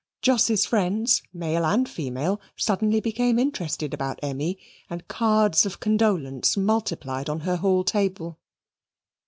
Jos's friends, male and female, suddenly became interested about Emmy, and cards of condolence multiplied on her hall table.